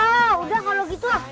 ah udah kalau gitu